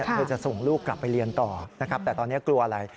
เธอจะส่งลูกกลับไปเรียนต่อนะครับแต่ตอนนี้กลัวอะไร